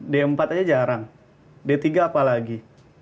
d empat aja jarang d tiga apa lagi